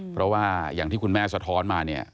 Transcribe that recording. เพราะว่าอย่างที่คุณแม่สะท้อนมาเนี่ย